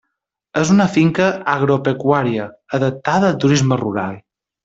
És una finca agropecuària adaptada al Turisme rural.